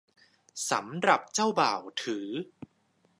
สำหรับเจ้าบ่าวถือ